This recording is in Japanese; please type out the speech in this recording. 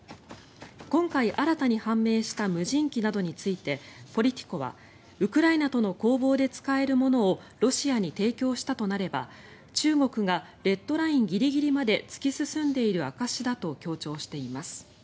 今回新たに判明した無人機などについてポリティコはウクライナとの攻防で使えるものをロシアに提供したとなれば中国がレッドラインギリギリまで突き進んでいる証しだと強調しています。